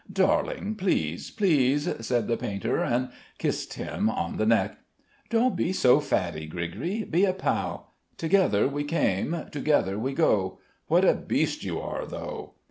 "Darling, please, please," said the painter and kissed him on the neck. "Don't be so faddy, Grigri be a pal. Together we came, together we go. What a beast you are though!"